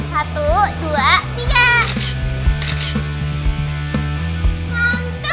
satu dua tiga